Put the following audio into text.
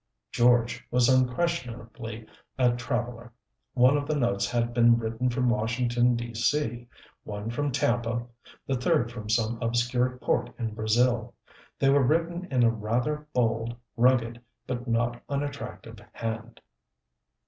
"George" was unquestionably a traveler. One of the notes had been written from Washington, D. C., one from Tampa, the third from some obscure port in Brazil. They were written in a rather bold, rugged, but not unattractive hand.